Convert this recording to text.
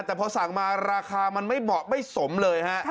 แต่พอสั่งมาราคามันไม่เหมาะไม่สมเลยฮะ